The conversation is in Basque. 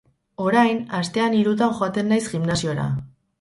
Orain, astean hirutan joaten naiz gimnasiora.